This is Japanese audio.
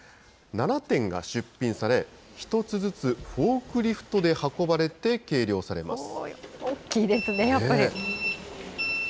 ７点が出品され、１つずつフォークリフトで運ばれて計量されます。